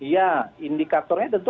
ya indikatornya tentu